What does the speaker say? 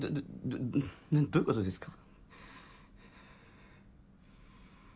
どういうことですか？